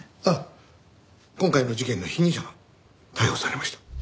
あっ今回の事件の被疑者が逮捕されました。